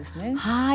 はい。